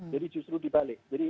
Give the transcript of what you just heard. jadi justru dibalik